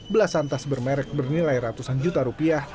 belasan tas bermerek bernilai ratusan juta rupiah